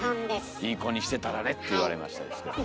「いい子にしてたらね」って言われましたですけれども。